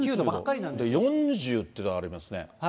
４０っていうのがありますね。